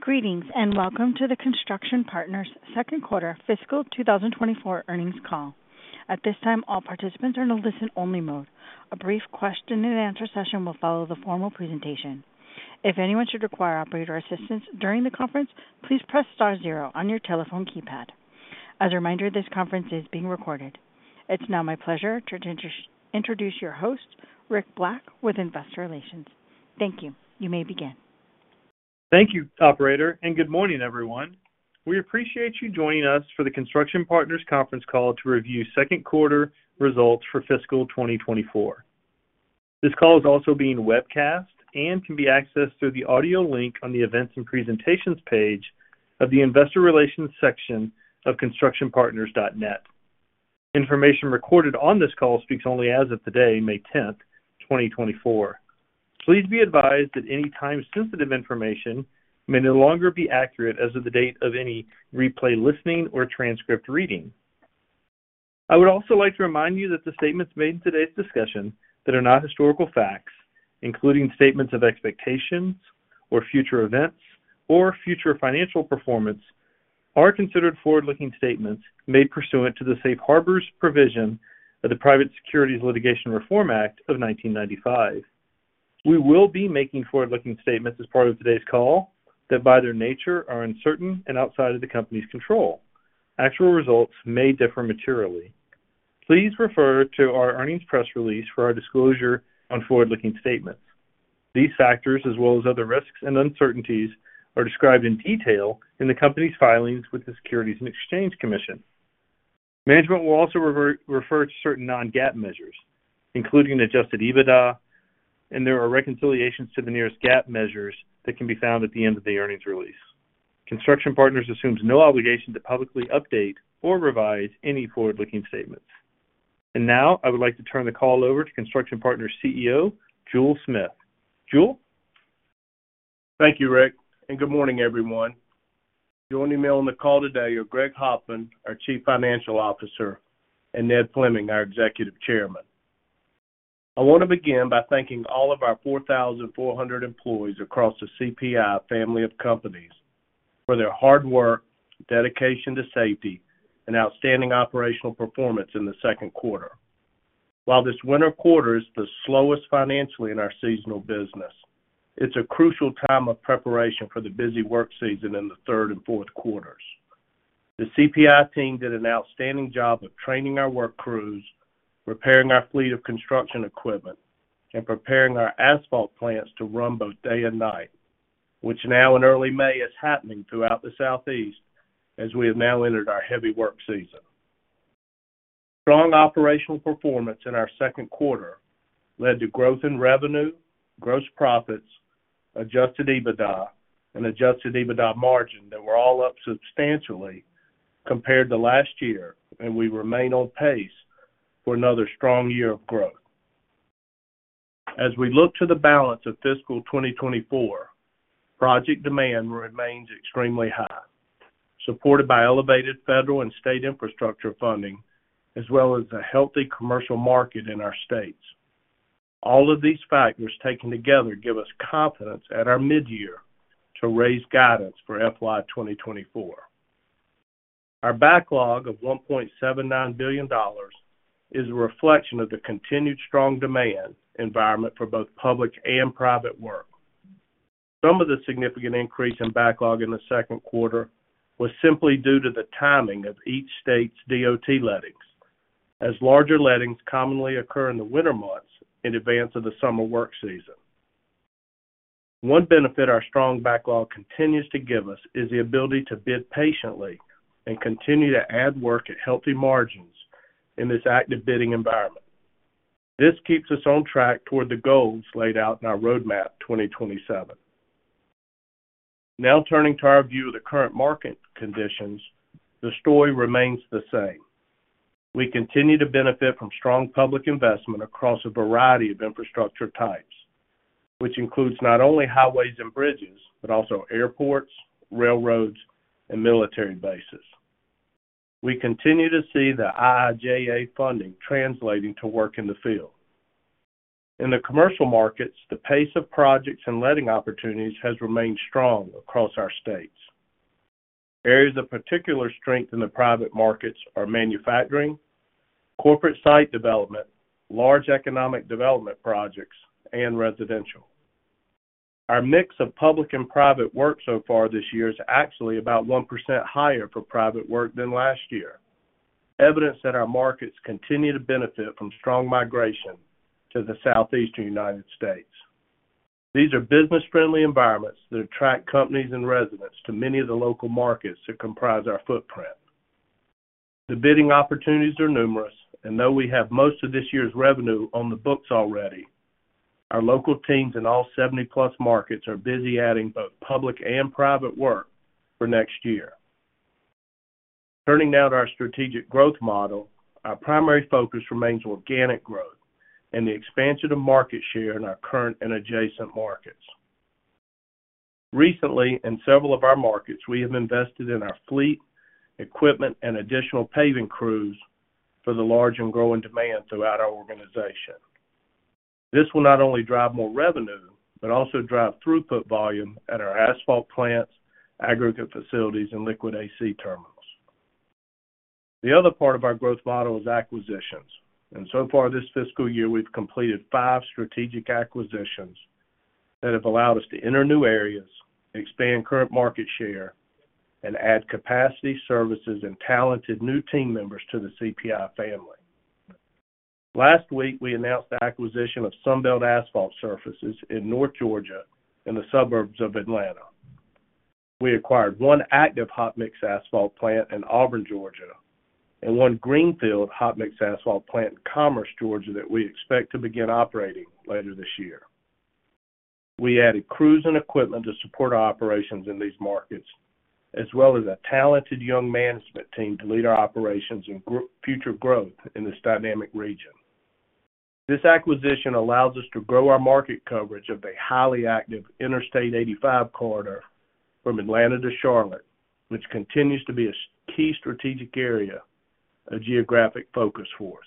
Greetings and welcome to the Construction Partners' second quarter fiscal 2024 earnings call. At this time, all participants are in a listen-only mode. A brief question-and-answer session will follow the formal presentation. If anyone should require operator assistance during the conference, please press star zero on your telephone keypad. As a reminder, this conference is being recorded. It's now my pleasure to introduce your host, Rick Black, with Investor Relations. Thank you. You may begin. Thank you, operator, and good morning, everyone. We appreciate you joining us for the Construction Partners' conference call to review second quarter results for Fiscal 2024. This call is also being webcast and can be accessed through the audio link on the events and presentations page of the Investor Relations section of constructionpartners.net. Information recorded on this call speaks only as of today, May 10th, 2024. Please be advised that any time-sensitive information may no longer be accurate as of the date of any replay listening or transcript reading. I would also like to remind you that the statements made in today's discussion that are not historical facts, including statements of expectations or future events or future financial performance, are considered forward-looking statements made pursuant to the Safe Harbors Provision of the Private Securities Litigation Reform Act of 1995. We will be making forward-looking statements as part of today's call that, by their nature, are uncertain and outside of the company's control. Actual results may differ materially. Please refer to our earnings press release for our disclosure on forward-looking statements. These factors, as well as other risks and uncertainties, are described in detail in the company's filings with the Securities and Exchange Commission. Management will also refer to certain Non-GAAP measures, including Adjusted EBITDA, and there are reconciliations to the nearest GAAP measures that can be found at the end of the earnings release. Construction Partners assumes no obligation to publicly update or revise any forward-looking statements. Now I would like to turn the call over to Construction Partners' CEO, Jule Smith. Jule? Thank you, Rick, and good morning, everyone. Joining me on the call today are Greg Hoffman, our Chief Financial Officer, and Ned Fleming, our Executive Chairman. I want to begin by thanking all of our 4,400 employees across the CPI family of companies for their hard work, dedication to safety, and outstanding operational performance in the second quarter. While this winter quarter is the slowest financially in our seasonal business, it's a crucial time of preparation for the busy work season in the third and fourth quarters. The CPI team did an outstanding job of training our work crews, repairing our fleet of construction equipment, and preparing our asphalt plants to run both day and night, which now in early May is happening throughout the Southeast as we have now entered our heavy work season. Strong operational performance in our second quarter led to growth in revenue, gross profits, adjusted EBITDA, and adjusted EBITDA margin that were all up substantially compared to last year, and we remain on pace for another strong year of growth. As we look to the balance of fiscal 2024, project demand remains extremely high, supported by elevated federal and state infrastructure funding as well as a healthy commercial market in our states. All of these factors taken together give us confidence at our midyear to raise guidance for FY 2024. Our backlog of $1.79 billion is a reflection of the continued strong demand environment for both public and private work. Some of the significant increase in backlog in the second quarter was simply due to the timing of each state's DOT lettings, as larger lettings commonly occur in the winter months in advance of the summer work season. One benefit our strong backlog continues to give us is the ability to bid patiently and continue to add work at healthy margins in this active bidding environment. This keeps us on track toward the goals laid out in our Roadmap 2027. Now turning to our view of the current market conditions, the story remains the same. We continue to benefit from strong public investment across a variety of infrastructure types, which includes not only highways and bridges but also airports, railroads, and military bases. We continue to see the IIJA funding translating to work in the field. In the commercial markets, the pace of projects and letting opportunities has remained strong across our states. Areas of particular strength in the private markets are manufacturing, corporate site development, large economic development projects, and residential. Our mix of public and private work so far this year is actually about 1% higher for private work than last year, evidence that our markets continue to benefit from strong migration to the Southeastern United States. These are business-friendly environments that attract companies and residents to many of the local markets that comprise our footprint. The bidding opportunities are numerous, and though we have most of this year's revenue on the books already, our local teams in all 70+ markets are busy adding both public and private work for next year. Turning now to our strategic growth model, our primary focus remains organic growth and the expansion of market share in our current and adjacent markets. Recently, in several of our markets, we have invested in our fleet, equipment, and additional paving crews for the large and growing demand throughout our organization. This will not only drive more revenue but also drive throughput volume at our asphalt plants, aggregate facilities, and liquid AC terminals. The other part of our growth model is acquisitions. So far this fiscal year, we've completed five strategic acquisitions that have allowed us to enter new areas, expand current market share, and add capacity, services, and talented new team members to the CPI family. Last week, we announced the acquisition of Sunbelt Asphalt Surfaces in North Georgia and the suburbs of Atlanta. We acquired one active hot mix asphalt plant in Auburn, Georgia, and one greenfield hot mix asphalt plant in Commerce, Georgia, that we expect to begin operating later this year. We added crews and equipment to support our operations in these markets, as well as a talented young management team to lead our operations and future growth in this dynamic region. This acquisition allows us to grow our market coverage of the highly active Interstate 85 corridor from Atlanta to Charlotte, which continues to be a key strategic area, a geographic focus for us.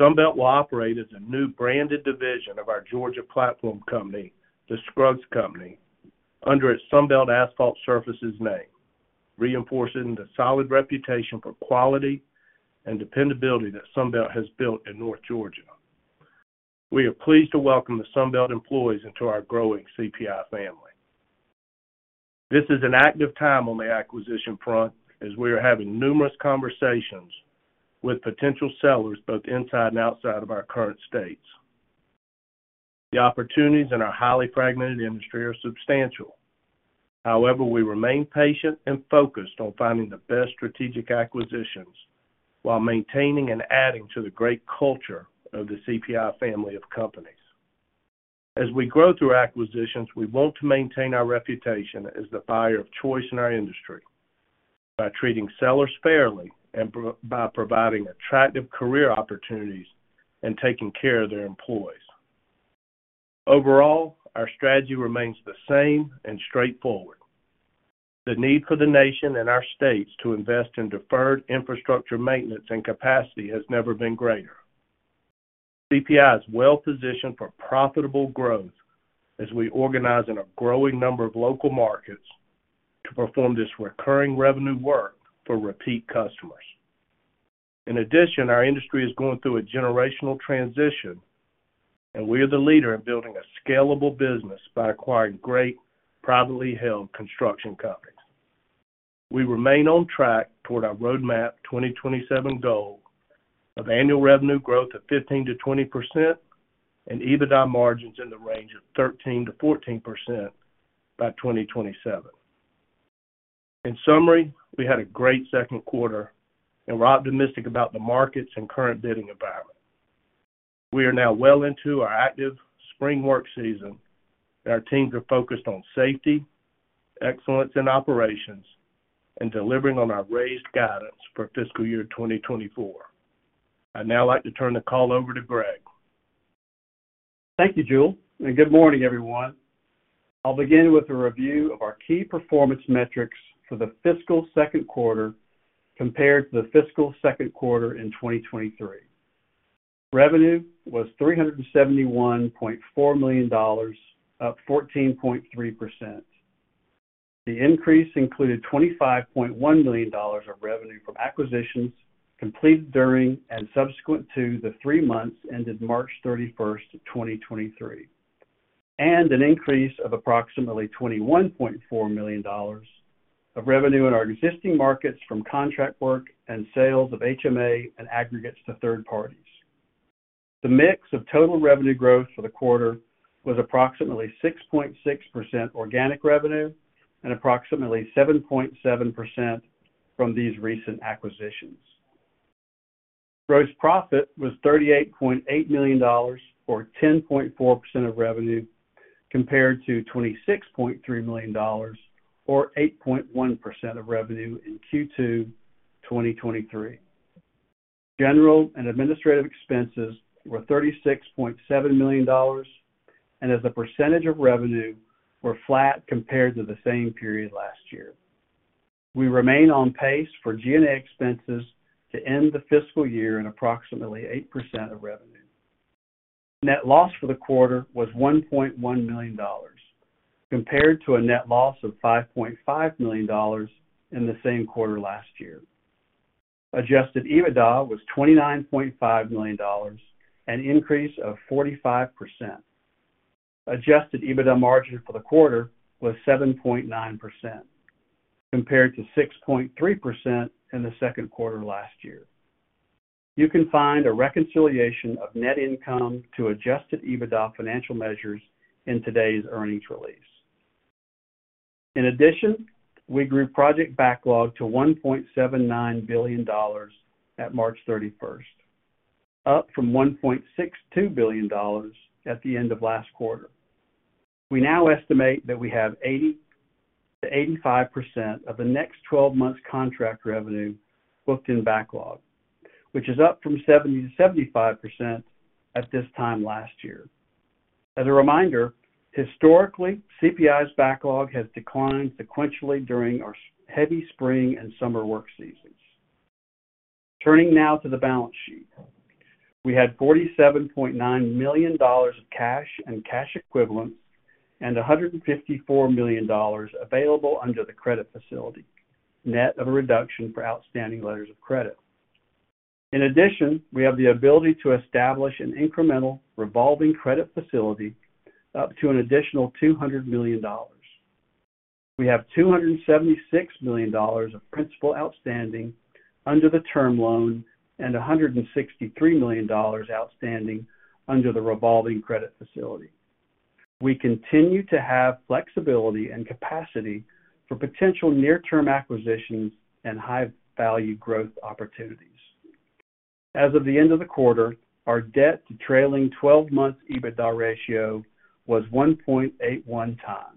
Sunbelt will operate as a new branded division of our Georgia platform company, the Scruggs Company, under its Sunbelt Asphalt Surfaces name, reinforcing the solid reputation for quality and dependability that Sunbelt has built in North Georgia. We are pleased to welcome the Sunbelt employees into our growing CPI family. This is an active time on the acquisition front as we are having numerous conversations with potential sellers both inside and outside of our current states. The opportunities in our highly fragmented industry are substantial. However, we remain patient and focused on finding the best strategic acquisitions while maintaining and adding to the great culture of the CPI family of companies. As we grow through acquisitions, we want to maintain our reputation as the buyer of choice in our industry by treating sellers fairly and by providing attractive career opportunities and taking care of their employees. Overall, our strategy remains the same and straightforward. The need for the nation and our states to invest in deferred infrastructure maintenance and capacity has never been greater. CPI is well positioned for profitable growth as we organize in a growing number of local markets to perform this recurring revenue work for repeat customers. In addition, our industry is going through a generational transition, and we are the leader in building a scalable business by acquiring great privately held construction companies. We remain on track toward our Roadmap 2027 goal of annual revenue growth of 15%-20% and EBITDA margins in the range of 13%-14% by 2027. In summary, we had a great second quarter, and we're optimistic about the markets and current bidding environment. We are now well into our active spring work season, and our teams are focused on safety, excellence in operations, and delivering on our raised guidance for fiscal year 2024. I'd now like to turn the call over to Greg. Thank you, Jule, and good morning, everyone. I'll begin with a review of our key performance metrics for the fiscal second quarter compared to the fiscal second quarter in 2023. Revenue was $371.4 million, up 14.3%. The increase included $25.1 million of revenue from acquisitions completed during and subsequent to the three months ended March 31st, 2023, and an increase of approximately $21.4 million of revenue in our existing markets from contract work and sales of HMA and aggregates to third parties. The mix of total revenue growth for the quarter was approximately 6.6% organic revenue and approximately 7.7% from these recent acquisitions. Gross profit was $38.8 million, or 10.4% of revenue, compared to $26.3 million, or 8.1% of revenue in Q2 2023. General and administrative expenses were $36.7 million, and as a percentage of revenue, were flat compared to the same period last year. We remain on pace for G&A expenses to end the fiscal year at approximately 8% of revenue. Net loss for the quarter was $1.1 million, compared to a net loss of $5.5 million in the same quarter last year. Adjusted EBITDA was $29.5 million, an increase of 45%. Adjusted EBITDA margin for the quarter was 7.9%, compared to 6.3% in the second quarter last year. You can find a reconciliation of net income to adjusted EBITDA financial measures in today's earnings release. In addition, we grew project backlog to $1.79 billion at March 31st, up from $1.62 billion at the end of last quarter. We now estimate that we have 80%-85% of the next 12 months' contract revenue booked in backlog, which is up from 70%-75% at this time last year. As a reminder, historically, CPI's backlog has declined sequentially during our heavy spring and summer work seasons. Turning now to the balance sheet, we had $47.9 million of cash and cash equivalents and $154 million available under the credit facility, net of a reduction for outstanding letters of credit. In addition, we have the ability to establish an incremental revolving credit facility up to an additional $200 million. We have $276 million of principal outstanding under the term loan and $163 million outstanding under the revolving credit facility. We continue to have flexibility and capacity for potential near-term acquisitions and high-value growth opportunities. As of the end of the quarter, our debt-to-trailing 12-month EBITDA ratio was 1.81 times.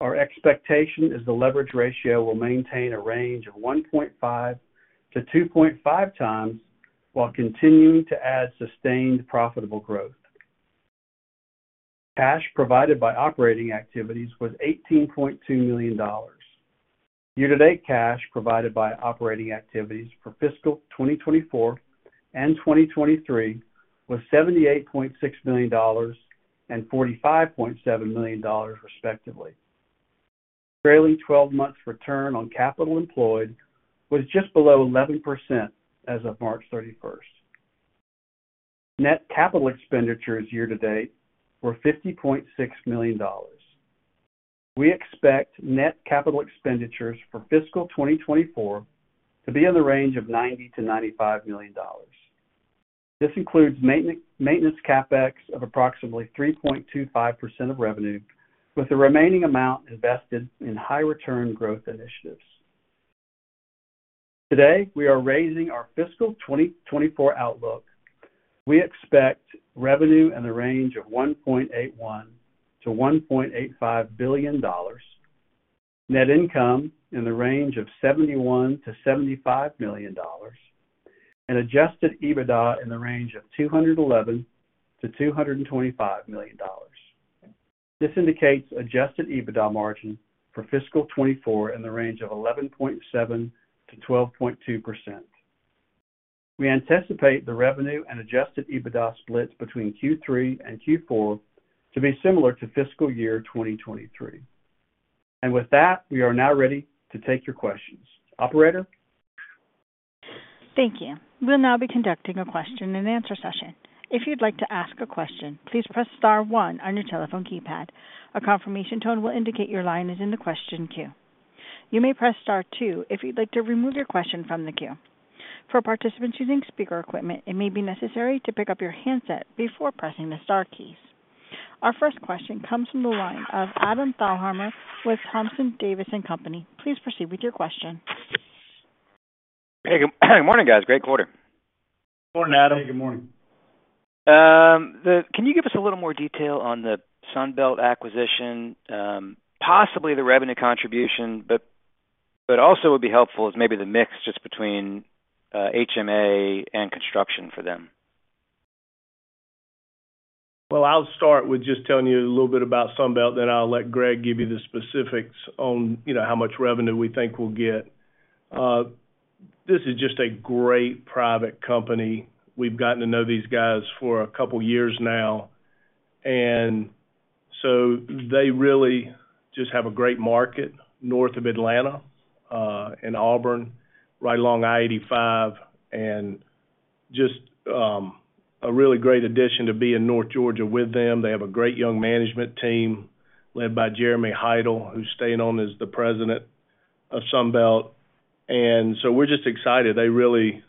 Our expectation is the leverage ratio will maintain a range of 1.5-2.5 times while continuing to add sustained profitable growth. Cash provided by operating activities was $18.2 million. Year-to-date cash provided by operating activities for Fiscal 2024 and 2023 was $78.6 million and $45.7 million, respectively. Trailing 12-month return on capital employed was just below 11% as of March 31st. Net capital expenditures year-to-date were $50.6 million. We expect net capital expenditures for Fiscal 2024 to be in the range of $90-$95 million. This includes maintenance capex of approximately 3.25% of revenue, with the remaining amount invested in high-return growth initiatives. Today, we are raising our fiscal 2024 outlook. We expect revenue in the range of $1.81 billion-$1.85 billion, net income in the range of $71 million-$75 million, and adjusted EBITDA in the range of $211 million-$225 million. This indicates adjusted EBITDA margin for fiscal 2024 in the range of 11.7%-12.2%. We anticipate the revenue and adjusted EBITDA splits between Q3 and Q4 to be similar to fiscal year 2023. And with that, we are now ready to take your questions. Operator? Thank you. We'll now be conducting a question-and-answer session. If you'd like to ask a question, please press star 1 on your telephone keypad. A confirmation tone will indicate your line is in the question queue. You may press star 2 if you'd like to remove your question from the queue. For participants using speaker equipment, it may be necessary to pick up your handset before pressing the star keys. Our first question comes from the line of Adam Thalhimer with Thompson Davis & Co. Please proceed with your question. Hey, good morning, guys. Great quarter. Morning, Adam. Hey, good morning. Can you give us a little more detail on the Sunbelt acquisition, possibly the revenue contribution, but also what would be helpful is maybe the mix just between HMA and construction for them? Well, I'll start with just telling you a little bit about Sunbelt. Then I'll let Greg give you the specifics on how much revenue we think we'll get. This is just a great private company. We've gotten to know these guys for a couple of years now. And so they really just have a great market north of Atlanta, in Auburn, right along I-85, and just a really great addition to be in North Georgia with them. They have a great young management team led by Jeremy Heidel, who's staying on as the President of Sunbelt. And so we're just excited. They really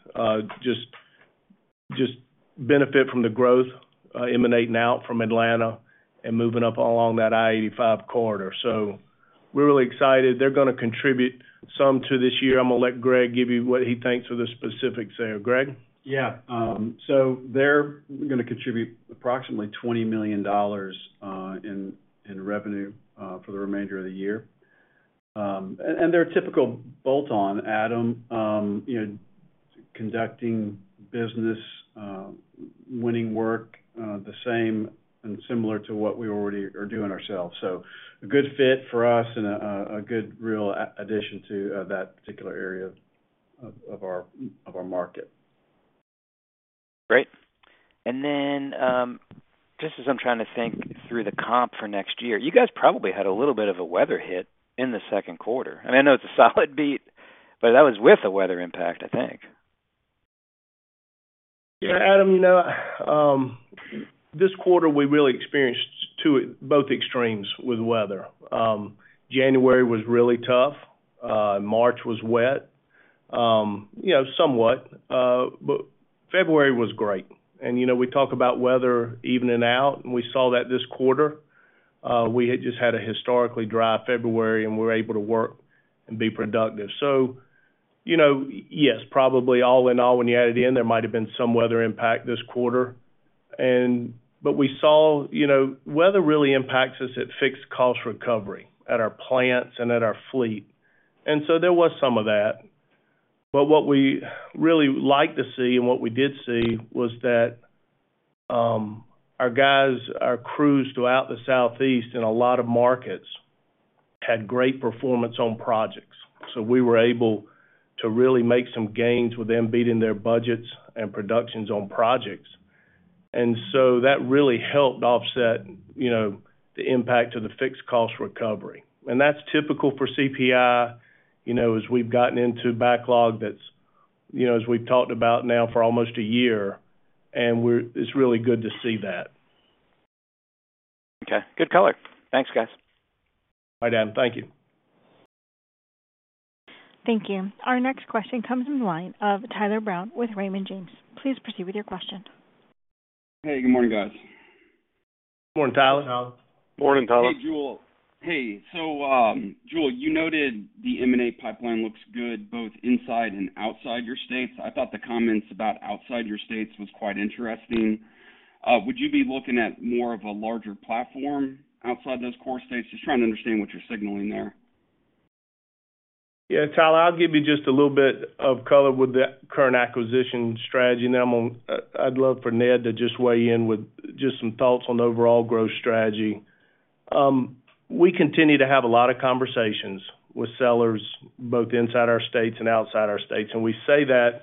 just benefit from the growth emanating out from Atlanta and moving up along that I-85 corridor. So we're really excited. They're going to contribute some to this year. I'm going to let Greg give you what he thinks of the specifics there. Greg? Yeah. So they're going to contribute approximately $20 million in revenue for the remainder of the year. And their typical bolt-on, Adam, conducting business, winning work, the same and similar to what we already are doing ourselves. So a good fit for us and a good real addition to that particular area of our market. Great. Then just as I'm trying to think through the comp for next year, you guys probably had a little bit of a weather hit in the second quarter. I mean, I know it's a solid beat, but that was with a weather impact, I think. Yeah, Adam, this quarter, we really experienced both extremes with weather. January was really tough. March was wet, somewhat. But February was great. And we talk about weather evening out, and we saw that this quarter. We had just had a historically dry February, and we were able to work and be productive. So yes, probably all in all, when you add it in, there might have been some weather impact this quarter. But we saw weather really impacts us at fixed cost recovery at our plants and at our fleet. And so there was some of that. But what we really liked to see and what we did see was that our guys, our crews throughout the Southeast and a lot of markets had great performance on projects. So we were able to really make some gains with them beating their budgets and productions on projects. So that really helped offset the impact of the fixed cost recovery. That's typical for CPI as we've gotten into backlog that's, as we've talked about now, for almost a year. It's really good to see that. Okay. Good color. Thanks, guys. All right, Adam. Thank you. Thank you. Our next question comes in the line of Tyler Brown with Raymond James. Please proceed with your question. Hey, good morning, guys. Good morning, Tyler. Morning, Tyler. Hey, Jule. Hey, so Jule, you noted the M&A pipeline looks good both inside and outside your states. I thought the comments about outside your states was quite interesting. Would you be looking at more of a larger platform outside those core states? Just trying to understand what you're signaling there. Yeah, Tyler, I'll give you just a little bit of color with the current acquisition strategy. Then I'd love for Ned to just weigh in with just some thoughts on overall growth strategy. We continue to have a lot of conversations with sellers both inside our states and outside our states. And we say that,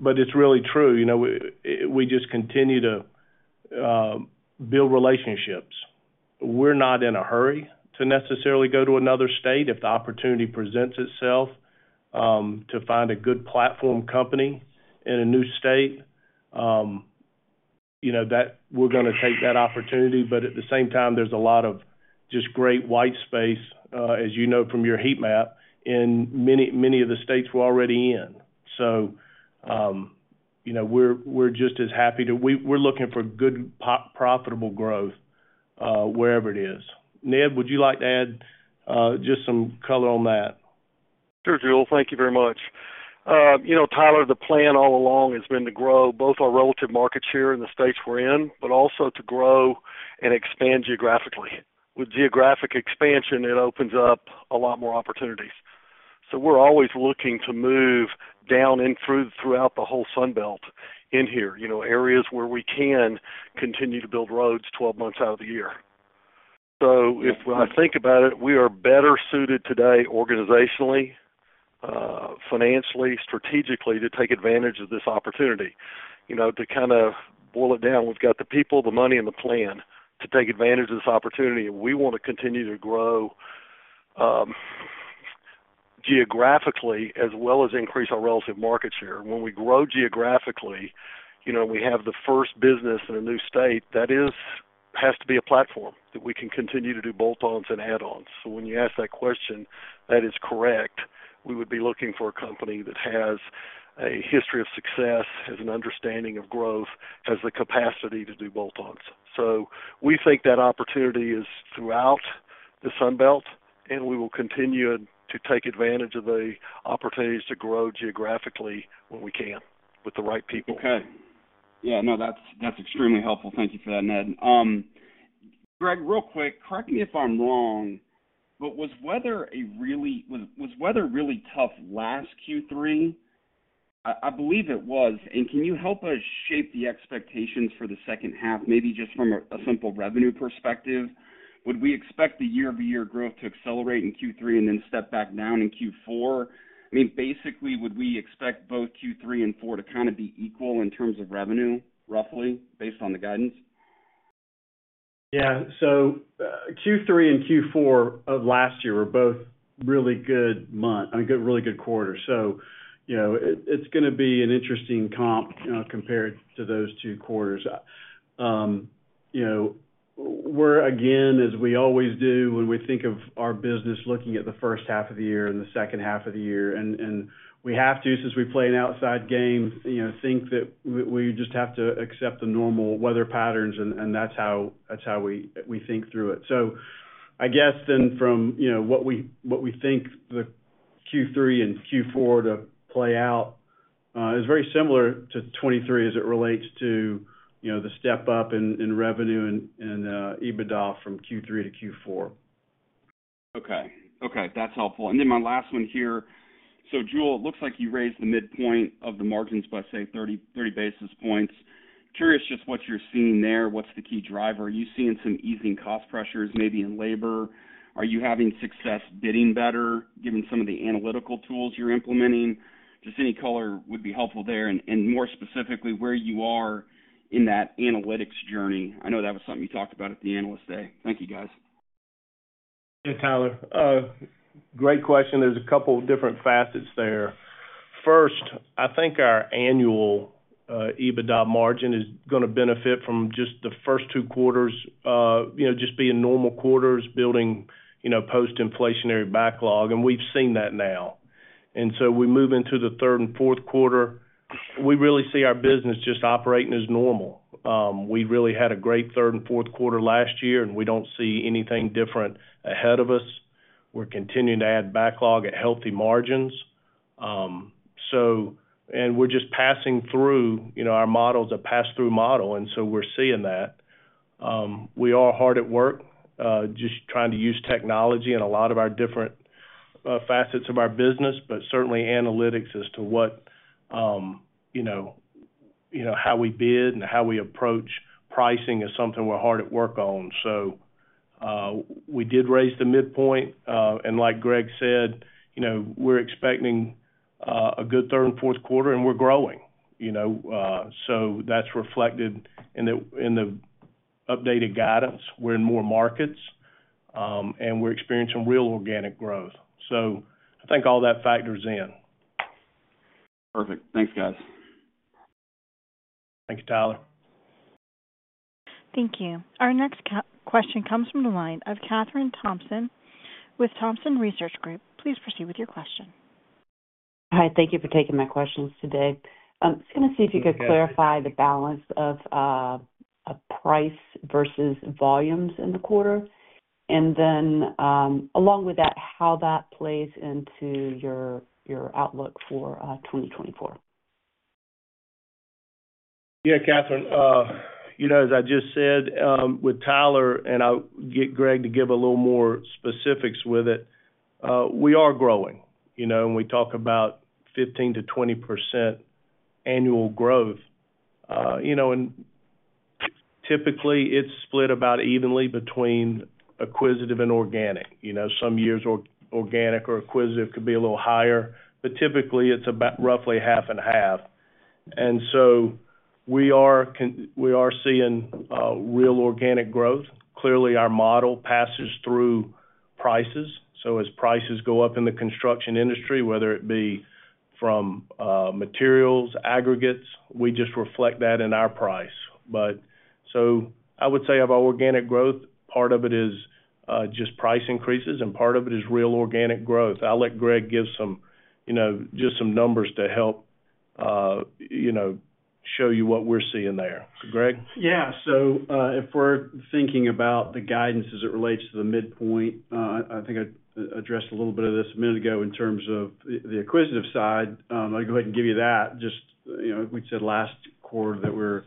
but it's really true. We just continue to build relationships. We're not in a hurry to necessarily go to another state if the opportunity presents itself to find a good platform company in a new state. We're going to take that opportunity. But at the same time, there's a lot of just great white space, as you know from your heat map, in many of the states we're already in. So we're just as happy. We're looking for good, profitable growth wherever it is. Ned, would you like to add just some color on that? Sure, Jule. Thank you very much. Tyler, the plan all along has been to grow both our relative market share in the states we're in, but also to grow and expand geographically. With geographic expansion, it opens up a lot more opportunities. So we're always looking to move down and throughout the whole Sunbelt in here, areas where we can continue to build roads 12 months out of the year. So if I think about it, we are better suited today organizationally, financially, strategically to take advantage of this opportunity. To kind of boil it down, we've got the people, the money, and the plan to take advantage of this opportunity. And we want to continue to grow geographically as well as increase our relative market share. When we grow geographically and we have the first business in a new state, that has to be a platform that we can continue to do bolt-ons and add-ons. So when you ask that question, that is correct. We would be looking for a company that has a history of success, has an understanding of growth, has the capacity to do bolt-ons. So we think that opportunity is throughout the Sunbelt, and we will continue to take advantage of the opportunities to grow geographically when we can with the right people. Okay. Yeah, no, that's extremely helpful. Thank you for that, Ned. Greg, real quick, correct me if I'm wrong, but was weather really tough last Q3? I believe it was. And can you help us shape the expectations for the second half, maybe just from a simple revenue perspective? Would we expect the year-over-year growth to accelerate in Q3 and then step back down in Q4? I mean, basically, would we expect both Q3 and Q4 to kind of be equal in terms of revenue, roughly, based on the guidance? Yeah. So Q3 and Q4 of last year were both really good months and really good quarters. So it's going to be an interesting comp compared to those two quarters. We're, again, as we always do when we think of our business looking at the first half of the year and the second half of the year - and we have to since we play an outside game - think that we just have to accept the normal weather patterns, and that's how we think through it. So I guess then from what we think the Q3 and Q4 to play out is very similar to 2023 as it relates to the step-up in revenue and EBITDA from Q3-Q4. Okay. Okay. That's helpful. And then my last one here. So Jule, it looks like you raised the midpoint of the margins by, say, 30 basis points. Curious just what you're seeing there. What's the key driver? Are you seeing some easing cost pressures, maybe in labor? Are you having success bidding better given some of the analytical tools you're implementing? Just any color would be helpful there. And more specifically, where you are in that analytics journey. I know that was something you talked about at the analyst day. Thank you, guys. Yeah, Tyler. Great question. There's a couple of different facets there. First, I think our annual EBITDA margin is going to benefit from just the first two quarters just being normal quarters building post-inflationary backlog. And we've seen that now. And so we move into the third and fourth quarter, we really see our business just operating as normal. We really had a great third and fourth quarter last year, and we don't see anything different ahead of us. We're continuing to add backlog at healthy margins. And we're just passing through. Our model is a pass-through model, and so we're seeing that. We are hard at work just trying to use technology in a lot of our different facets of our business, but certainly analytics as to how we bid and how we approach pricing is something we're hard at work on. So we did raise the midpoint. Like Greg said, we're expecting a good third and fourth quarter, and we're growing. That's reflected in the updated guidance. We're in more markets, and we're experiencing real organic growth. I think all that factors in. Perfect. Thanks, guys. Thank you, Tyler. Thank you. Our next question comes from the line of Kathryn Thompson with Thompson Research Group. Please proceed with your question. Hi. Thank you for taking my questions today. I was going to see if you could clarify the balance of price versus volumes in the quarter and then along with that, how that plays into your outlook for 2024? Yeah, Katherine. As I just said with Tyler, and I'll get Greg to give a little more specifics with it, we are growing. And we talk about 15%-20% annual growth. And typically, it's split about evenly between acquisitive and organic. Some years, organic or acquisitive could be a little higher. But typically, it's about roughly half and half. And so we are seeing real organic growth. Clearly, our model passes through prices. So as prices go up in the construction industry, whether it be from materials, aggregates, we just reflect that in our price. So I would say of our organic growth, part of it is just price increases, and part of it is real organic growth. I'll let Greg give just some numbers to help show you what we're seeing there. So, Greg? Yeah. So if we're thinking about the guidance as it relates to the midpoint, I think I addressed a little bit of this a minute ago in terms of the acquisitive side. I'll go ahead and give you that. Just we'd said last quarter that we're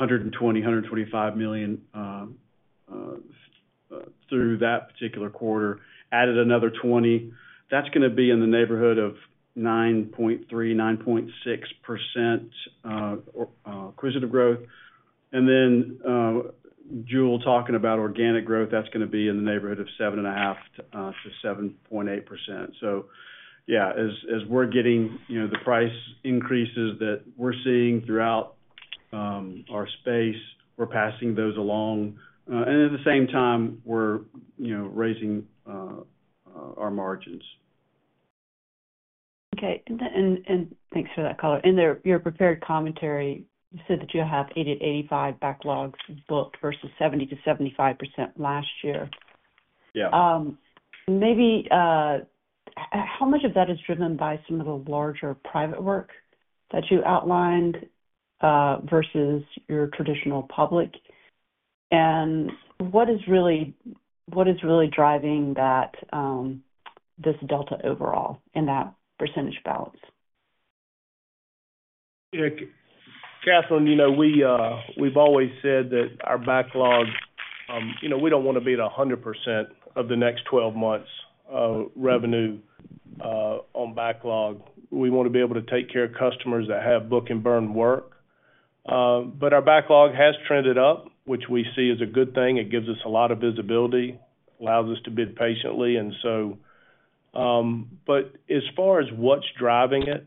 $120 million-$125 million through that particular quarter, added another $20 million. That's going to be in the neighborhood of 9.3%-9.6% acquisitive growth. And then Jule talking about organic growth, that's going to be in the neighborhood of 7.5%-7.8%. So yeah, as we're getting the price increases that we're seeing throughout our space, we're passing those along. And at the same time, we're raising our margins. Okay. Thanks for that color. In your prepared commentary, you said that you have 80-85 backlogs booked versus 70%-75% last year. How much of that is driven by some of the larger private work that you outlined versus your traditional public? And what is really driving this delta overall in that percentage balance? Katherine, we've always said that our backlog we don't want to be at 100% of the next 12 months' revenue on backlog. We want to be able to take care of customers that have book-and-burn work. But our backlog has trended up, which we see is a good thing. It gives us a lot of visibility, allows us to bid patiently, and so. But as far as what's driving it,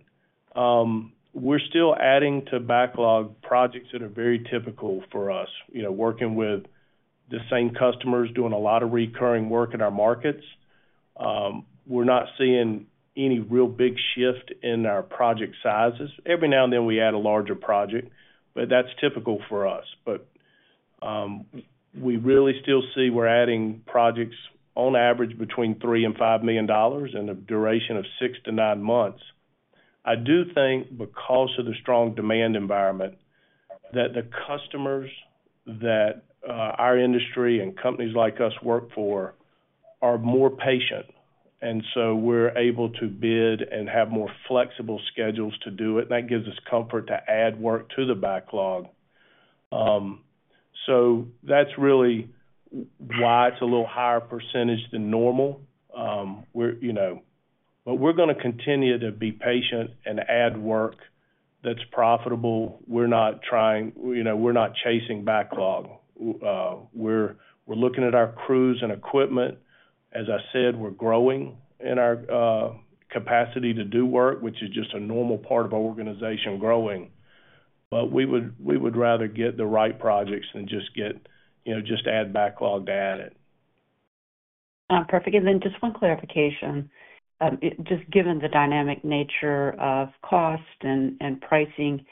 we're still adding to backlog projects that are very typical for us, working with the same customers, doing a lot of recurring work in our markets. We're not seeing any real big shift in our project sizes. Every now and then, we add a larger project, but that's typical for us. But we really still see we're adding projects, on average, between $3 million and $5 million in a duration of 6-9 months. I do think because of the strong demand environment that the customers that our industry and companies like us work for are more patient. So we're able to bid and have more flexible schedules to do it. And that gives us comfort to add work to the backlog. So that's really why it's a little higher percentage than normal. But we're going to continue to be patient and add work that's profitable. We're not trying, we're not chasing backlog. We're looking at our crews and equipment. As I said, we're growing in our capacity to do work, which is just a normal part of our organization, growing. But we would rather get the right projects than just add backlog to add it. Perfect. And then just one clarification. Just given the dynamic nature of cost and pricing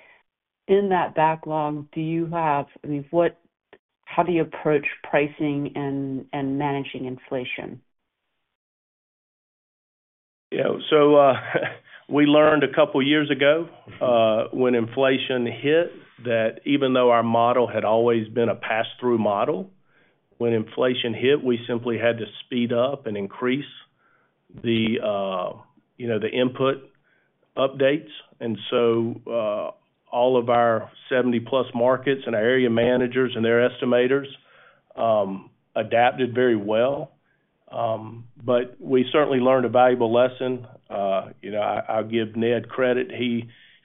in that backlog, do you have—I mean, how do you approach pricing and managing inflation? Yeah. So we learned a couple of years ago when inflation hit that even though our model had always been a pass-through model, when inflation hit, we simply had to speed up and increase the input updates. And so all of our 70+ markets and our area managers and their estimators adapted very well. But we certainly learned a valuable lesson. I'll give Ned credit.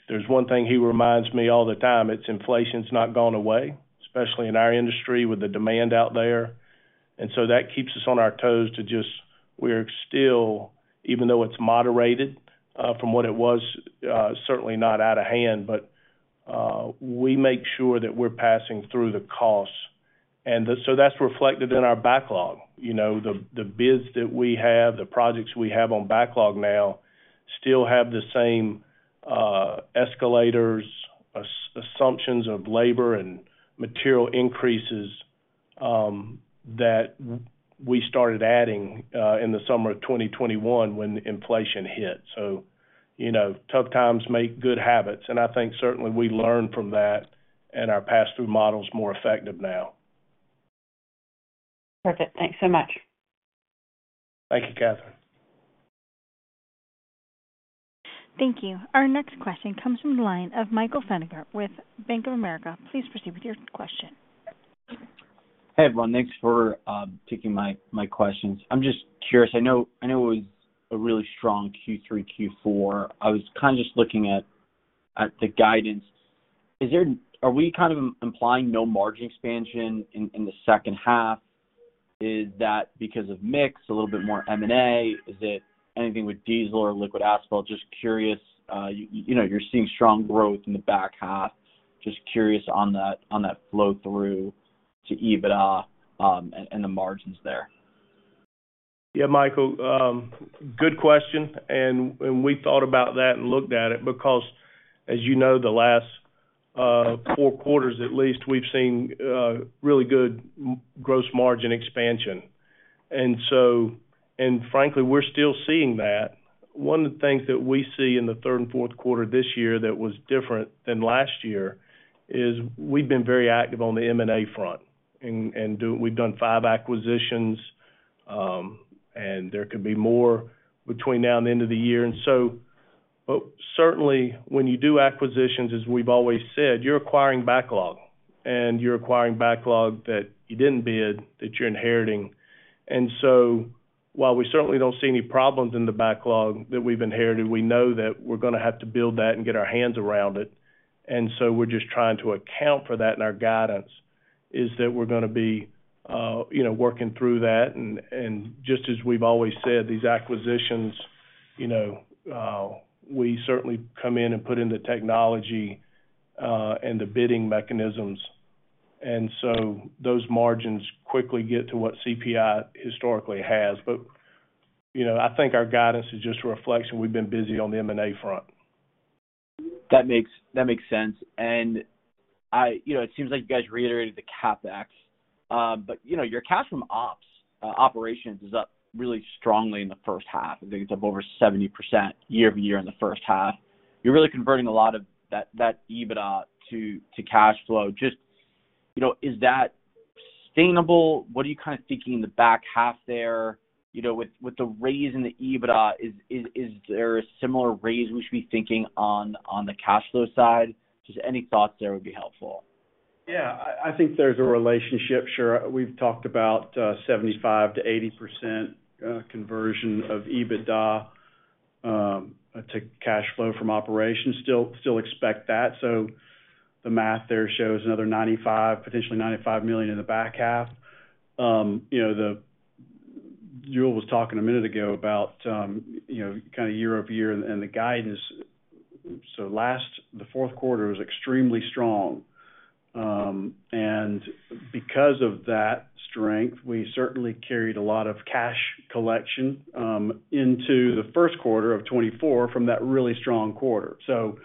There's one thing he reminds me all the time. It's inflation's not gone away, especially in our industry with the demand out there. And so that keeps us on our toes to just we're still, even though it's moderated from what it was, certainly not out of hand. But we make sure that we're passing through the costs. And so that's reflected in our backlog. The bids that we have, the projects we have on backlog now still have the same escalators, assumptions of labor and material increases that we started adding in the summer of 2021 when inflation hit. So tough times make good habits. I think certainly we learned from that, and our pass-through model's more effective now. Perfect. Thanks so much. Thank you, Katherine. Thank you. Our next question comes from the line of Michael Feniger with Bank of America. Please proceed with your question. Hey, everyone. Thanks for taking my questions. I'm just curious. I know it was a really strong Q3, Q4. I was kind of just looking at the guidance. Are we kind of implying no margin expansion in the second half? Is that because of mix, a little bit more M&A? Is it anything with diesel or liquid asphalt? Just curious. You're seeing strong growth in the back half. Just curious on that flow-through to EBITDA and the margins there. Yeah, Michael, good question. And we thought about that and looked at it because, as you know, the last four quarters, at least, we've seen really good gross margin expansion. And frankly, we're still seeing that. One of the things that we see in the third and fourth quarter this year that was different than last year is we've been very active on the M&A front. And we've done five acquisitions, and there could be more between now and the end of the year. But certainly, when you do acquisitions, as we've always said, you're acquiring backlog. And you're acquiring backlog that you didn't bid, that you're inheriting. And so while we certainly don't see any problems in the backlog that we've inherited, we know that we're going to have to build that and get our hands around it. So we're just trying to account for that in our guidance, is that we're going to be working through that. Just as we've always said, these acquisitions, we certainly come in and put in the technology and the bidding mechanisms. So those margins quickly get to what CPI historically has. But I think our guidance is just a reflection. We've been busy on the M&A front. That makes sense. And it seems like you guys reiterated the CapEx. But your cash from operations is up really strongly in the first half. I think it's up over 70% year-over-year in the first half. You're really converting a lot of that EBITDA to cash flow. Just is that sustainable? What are you kind of thinking in the back half there? With the raise in the EBITDA, is there a similar raise we should be thinking on the cash flow side? Just any thoughts there would be helpful. Yeah. I think there's a relationship. Sure. We've talked about 75%-80% conversion of EBITDA to cash flow from operations. Still expect that. So the math there shows another potentially $95 million in the back half. Jule was talking a minute ago about kind of year-over-year and the guidance. So the fourth quarter was extremely strong. And because of that strength, we certainly carried a lot of cash collection into the first quarter of 2024 from that really strong quarter. So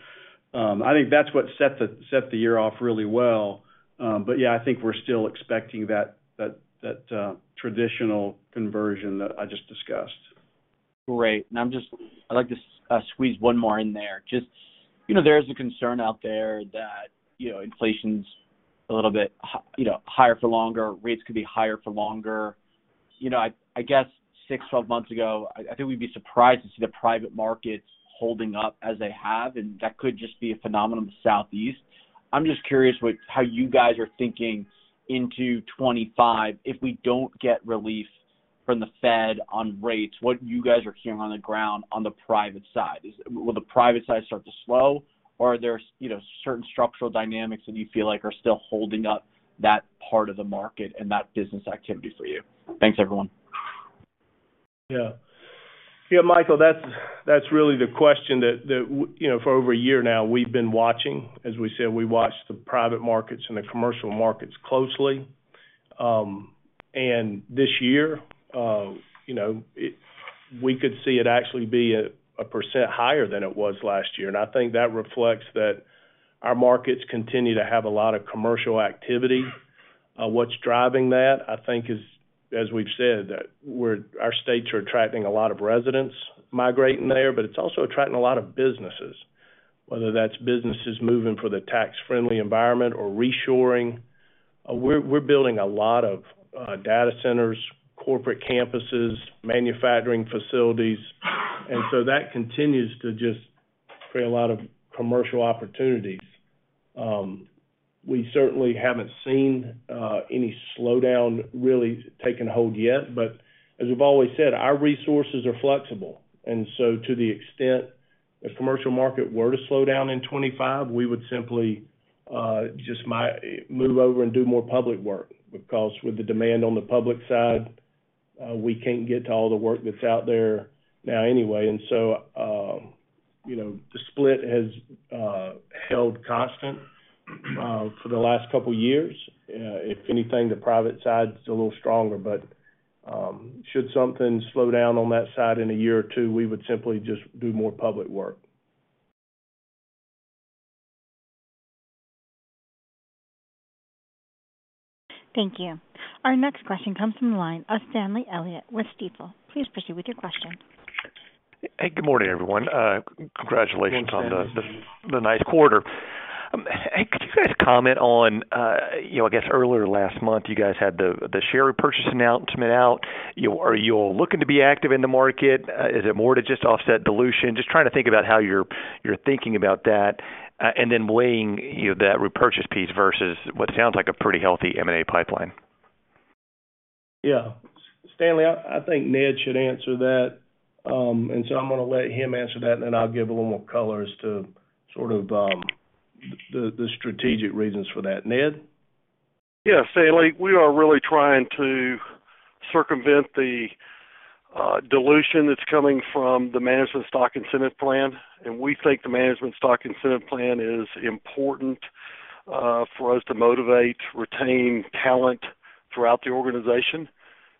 I think that's what set the year off really well. But yeah, I think we're still expecting that traditional conversion that I just discussed. Great. And I'd like to squeeze one more in there. Just, there is a concern out there that inflation's a little bit higher for longer. Rates could be higher for longer. I guess 6, 12 months ago, I think we'd be surprised to see the private markets holding up as they have. And that could just be a phenomenon in the Southeast. I'm just curious how you guys are thinking into 2025. If we don't get relief from the Fed on rates, what you guys are hearing on the ground on the private side? Will the private side start to slow, or are there certain structural dynamics that you feel like are still holding up that part of the market and that business activity for you? Thanks, everyone. Yeah. Yeah, Michael, that's really the question that for over a year now, we've been watching. As we said, we watch the private markets and the commercial markets closely. And this year, we could see it actually be 1% higher than it was last year. And I think that reflects that our markets continue to have a lot of commercial activity. What's driving that, I think, is, as we've said, that our states are attracting a lot of residents migrating there. But it's also attracting a lot of businesses, whether that's businesses moving for the tax-friendly environment or reshoring. We're building a lot of data centers, corporate campuses, manufacturing facilities. And so that continues to just create a lot of commercial opportunities. We certainly haven't seen any slowdown really taking hold yet. But as we've always said, our resources are flexible. To the extent the commercial market were to slow down in 2025, we would simply just move over and do more public work because with the demand on the public side, we can't get to all the work that's out there now anyway. The split has held constant for the last couple of years. If anything, the private side's a little stronger. But should something slow down on that side in a year or two, we would simply just do more public work. Thank you. Our next question comes from the line of Stanley Elliott with Stifel. Please proceed with your question. Hey, good morning, everyone. Congratulations on the nice quarter. Hey, could you guys comment on, I guess, earlier last month, you guys had the share repurchase announcement out. Are you all looking to be active in the market? Is it more to just offset dilution? Just trying to think about how you're thinking about that and then weighing that repurchase piece versus what sounds like a pretty healthy M&A pipeline. Yeah. Stanley, I think Ned should answer that. And so I'm going to let him answer that, and then I'll give a little more colors to sort of the strategic reasons for that. Ned? Yeah. Stanley, we are really trying to circumvent the dilution that's coming from the management stock incentive plan. We think the management stock incentive plan is important for us to motivate, retain talent throughout the organization.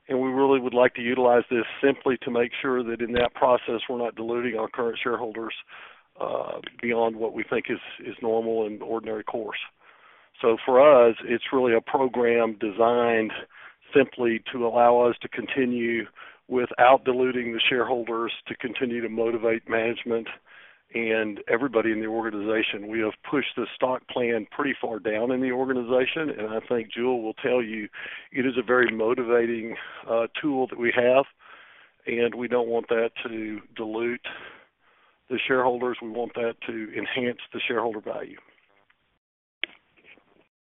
We really would like to utilize this simply to make sure that in that process, we're not diluting our current shareholders beyond what we think is normal and ordinary course. For us, it's really a program designed simply to allow us to continue without diluting the shareholders, to continue to motivate management and everybody in the organization. We have pushed the stock plan pretty far down in the organization. I think Jule will tell you it is a very motivating tool that we have. We don't want that to dilute the shareholders. We want that to enhance the shareholder value.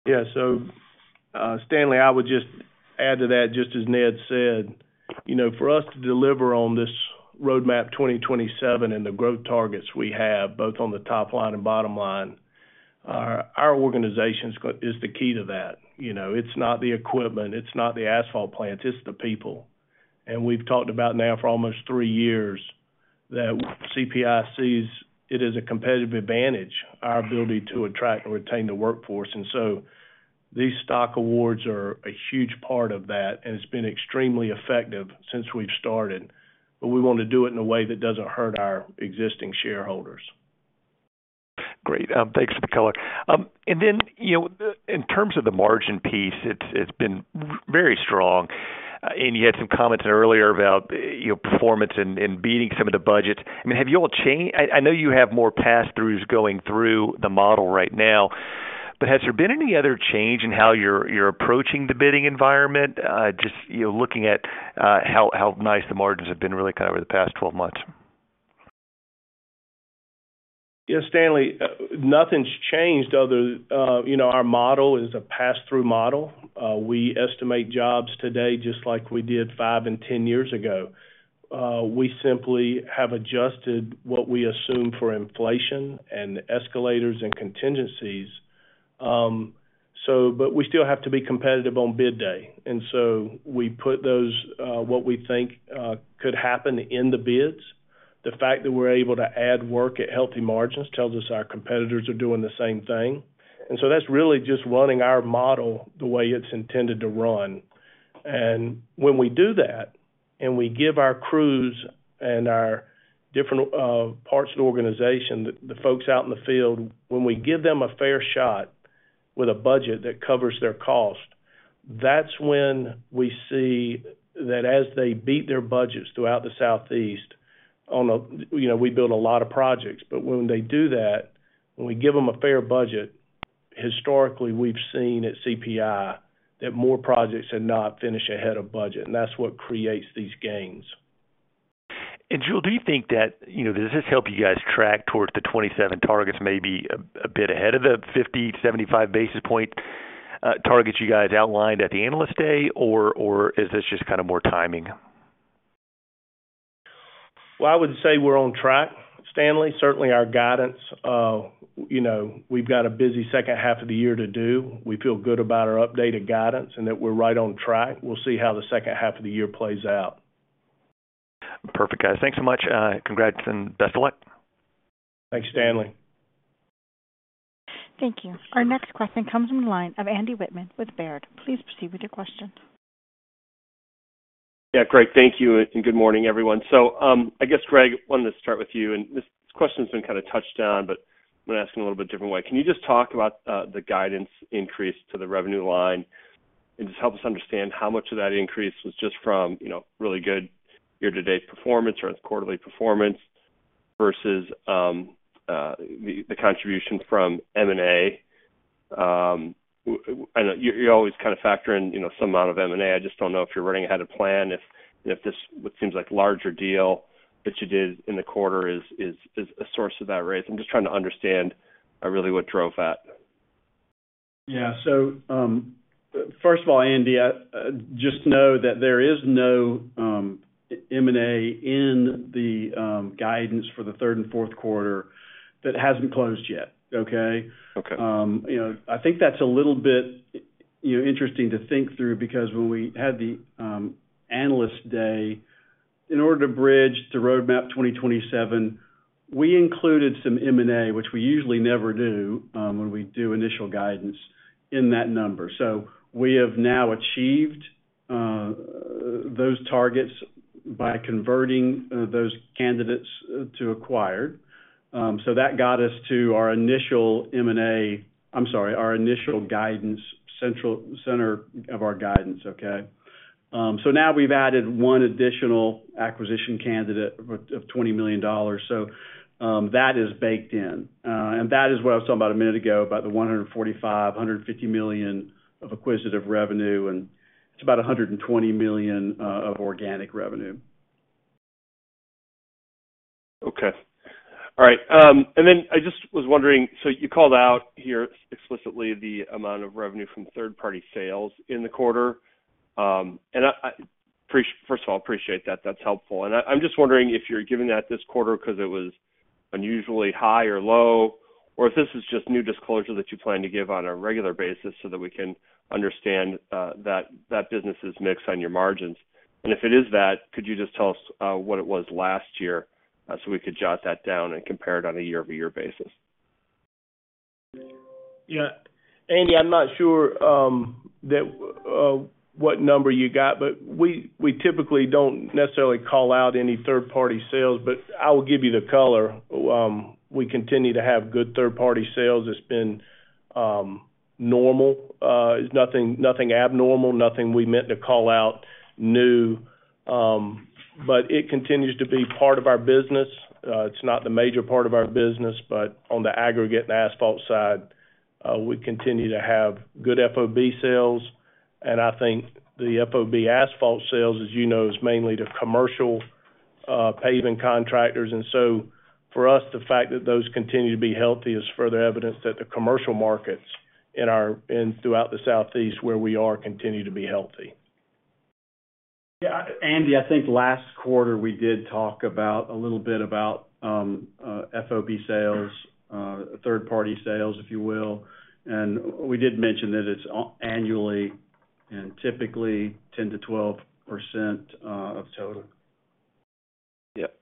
Yeah. So Stanley, I would just add to that, just as Ned said, for us to deliver on this roadmap 2027 and the growth targets we have, both on the top line and bottom line, our organization is the key to that. It's not the equipment. It's not the asphalt plants. It's the people. And we've talked about now for almost three years that CPI sees it as a competitive advantage, our ability to attract and retain the workforce. And so these stock awards are a huge part of that. And it's been extremely effective since we've started. But we want to do it in a way that doesn't hurt our existing shareholders. Great. Thanks for the color. And then in terms of the margin piece, it's been very strong. And you had some comments earlier about performance and beating some of the budgets. I mean, have you all changed? I know you have more pass-throughs going through the model right now. But has there been any other change in how you're approaching the bidding environment, just looking at how nice the margins have been really kind of over the past 12 months? Yeah, Stanley, nothing's changed other than our model is a pass-through model. We estimate jobs today just like we did 5 and 10 years ago. We simply have adjusted what we assume for inflation and escalators and contingencies. But we still have to be competitive on bid day. And so we put what we think could happen in the bids. The fact that we're able to add work at healthy margins tells us our competitors are doing the same thing. And so that's really just running our model the way it's intended to run. And when we do that and we give our crews and our different parts of the organization, the folks out in the field, when we give them a fair shot with a budget that covers their cost, that's when we see that as they beat their budgets throughout the Southeast, we build a lot of projects. When they do that, when we give them a fair budget, historically, we've seen at CPI that more projects have not finished ahead of budget. That's what creates these gains. Jule, do you think that does this help you guys track towards the '27 targets, maybe a bit ahead of the 50-75 basis point targets you guys outlined at the analyst day, or is this just kind of more timing? Well, I would say we're on track, Stanley. Certainly, our guidance, we've got a busy second half of the year to do. We feel good about our updated guidance and that we're right on track. We'll see how the second half of the year plays out. Perfect, guys. Thanks so much. Congrats and best of luck. Thanks, Stanley. Thank you. Our next question comes from the line of Andrew Wittmann with Baird. Please proceed with your question. Yeah, Greg, thank you. Good morning, everyone. I guess, Greg, I wanted to start with you. This question's been kind of touched on, but I'm going to ask it in a little bit different way. Can you just talk about the guidance increase to the revenue line and just help us understand how much of that increase was just from really good year-to-date performance or quarterly performance versus the contribution from M&A? I know you always kind of factor in some amount of M&A. I just don't know if you're running ahead of plan, if this seems like a larger deal that you did in the quarter is a source of that raise. I'm just trying to understand really what drove that. Yeah. So first of all, Andy, just know that there is no M&A in the guidance for the third and fourth quarter that hasn't closed yet, okay? I think that's a little bit interesting to think through because when we had the analyst day, in order to bridge to roadmap 2027, we included some M&A, which we usually never do when we do initial guidance, in that number. So we have now achieved those targets by converting those candidates to acquired. So that got us to our initial M&A I'm sorry, our initial center of our guidance, okay? So now we've added one additional acquisition candidate of $20 million. So that is baked in. And that is what I was talking about a minute ago, about the $145 million-$150 million of acquisitive revenue. And it's about $120 million of organic revenue. Okay. All right. And then I just was wondering so you called out here explicitly the amount of revenue from third-party sales in the quarter. And first of all, I appreciate that. That's helpful. And I'm just wondering if you're giving that this quarter because it was unusually high or low, or if this is just new disclosure that you plan to give on a regular basis so that we can understand that business's mix on your margins. And if it is that, could you just tell us what it was last year so we could jot that down and compare it on a year-over-year basis? Yeah. Andy, I'm not sure what number you got, but we typically don't necessarily call out any third-party sales. I will give you the color. We continue to have good third-party sales. It's been normal. It's nothing abnormal, nothing we meant to call out new. It continues to be part of our business. It's not the major part of our business. On the aggregate and asphalt side, we continue to have good FOB sales. I think the FOB asphalt sales, as you know, is mainly to commercial paving contractors. For us, the fact that those continue to be healthy is further evidence that the commercial markets throughout the Southeast where we are continue to be healthy. Yeah. Andy, I think last quarter, we did talk a little bit about FOB sales, third-party sales, if you will. And we did mention that it's annually and typically 10%-12% of total. Yep.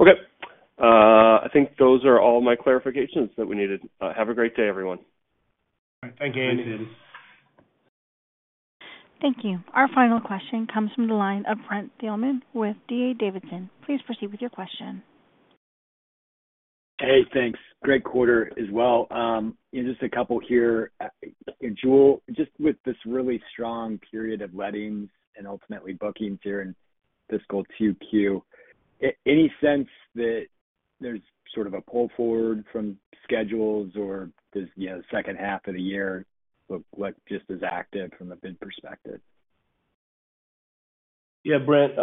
Okay. I think those are all my clarifications that we needed. Have a great day, everyone. All right. Thanks, Andy. Thanks, Andy. Thank you. Our final question comes from the line of Brent Thielman with DA Davidson. Please proceed with your question. Hey, thanks. Great quarter as well. Just a couple here. Jule, just with this really strong period of lettings and ultimately bookings here in fiscal 2Q, any sense that there's sort of a pull forward from schedules or does the second half of the year look just as active from a bid perspective? Yeah, Brent,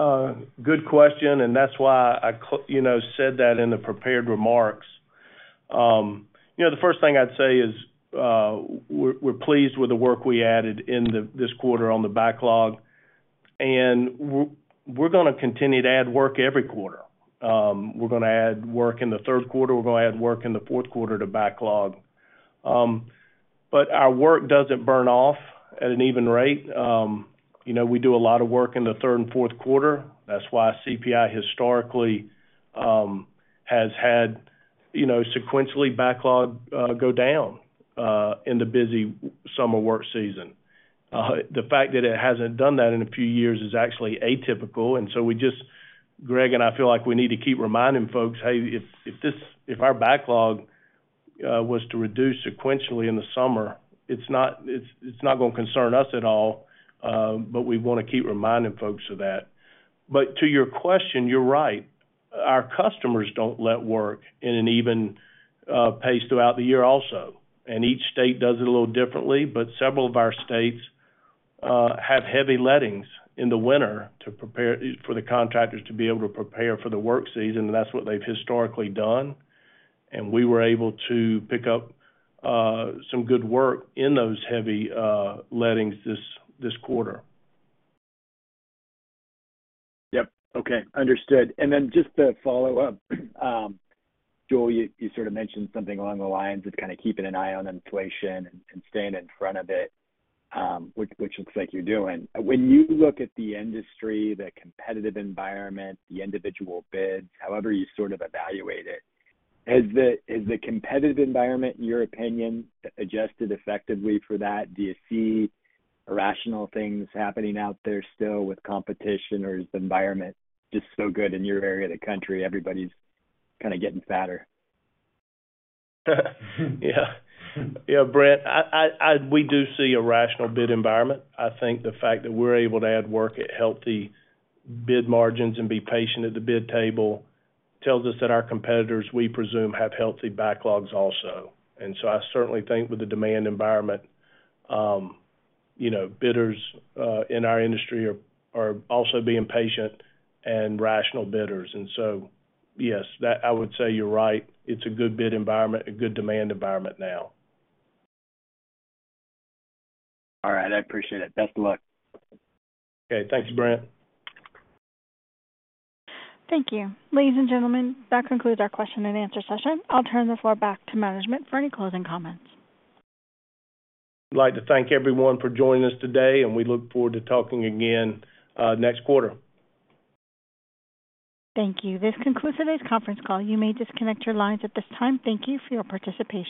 good question. And that's why I said that in the prepared remarks. The first thing I'd say is we're pleased with the work we added in this quarter on the backlog. And we're going to continue to add work every quarter. We're going to add work in the third quarter. We're going to add work in the fourth quarter to backlog. But our work doesn't burn off at an even rate. We do a lot of work in the third and fourth quarter. That's why CPI historically has had sequentially backlog go down in the busy summer work season. The fact that it hasn't done that in a few years is actually atypical. And so Greg and I feel like we need to keep reminding folks, "Hey, if our backlog was to reduce sequentially in the summer, it's not going to concern us at all. But we want to keep reminding folks of that." But to your question, you're right. Our customers don't let work in an even pace throughout the year also. Each state does it a little differently. But several of our states have heavy lettings in the winter for the contractors to be able to prepare for the work season. That's what they've historically done. We were able to pick up some good work in those heavy lettings this quarter. Yep. Okay. Understood. And then just to follow up, Jule, you sort of mentioned something along the lines of kind of keeping an eye on inflation and staying in front of it, which looks like you're doing. When you look at the industry, the competitive environment, the individual bids, however you sort of evaluate it, has the competitive environment, in your opinion, adjusted effectively for that? Do you see irrational things happening out there still with competition, or is the environment just so good in your area of the country, everybody's kind of getting fatter? Yeah. Yeah, Brent, we do see a rational bid environment. I think the fact that we're able to add work at healthy bid margins and be patient at the bid table tells us that our competitors, we presume, have healthy backlogs also. And so I certainly think with the demand environment, bidders in our industry are also being patient and rational bidders. And so yes, I would say you're right. It's a good bid environment, a good demand environment now. All right. I appreciate it. Best of luck. Okay. Thanks, Brent. Thank you. Ladies and gentlemen, that concludes our question and answer session. I'll turn the floor back to management for any closing comments. I'd like to thank everyone for joining us today. We look forward to talking again next quarter. Thank you. This concludes today's conference call. You may disconnect your lines at this time. Thank you for your participation.